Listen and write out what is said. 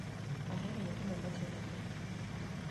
Ahero nyithindo matiyo matek